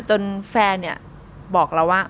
จนแฟนเนี่ยบอกเราว่า